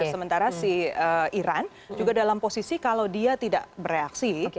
sementara si iran juga dalam posisi kalau dia tidak bereaksi